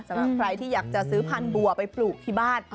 สำหรับใครที่อยากจะซื้อพันธุบัวไปปลูกที่บ้าน